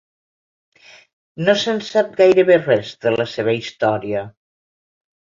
No se'n sap gairebé res de la seva història.